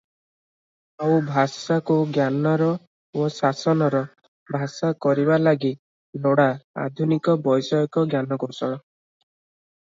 ଆଉ ଭାଷାକୁ ଜ୍ଞାନର ଓ ଶାସନର ଭାଷା କରିବା ଲାଗି ଲୋଡ଼ା ଆଧୁନିକ ବୈଷୟିକ ଜ୍ଞାନକୌଶଳ ।